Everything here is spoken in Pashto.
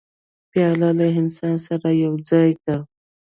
پیاله له انسان سره یو ځای ده.